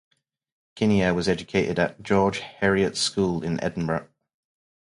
Kinnear was educated at George Heriot's School in Edinburgh.